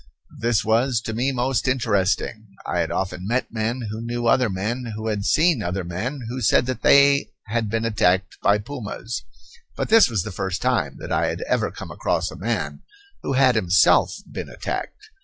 This was to me most interesting. I had often met men who knew other men who had seen other men who said that they had been attacked by pumas, but this was the first time that I had ever come across a man who had himself been attacked.